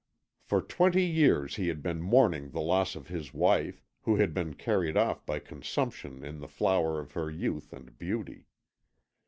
For twenty years he had been mourning the loss of his wife, who had been carried off by consumption in the flower of her youth and beauty.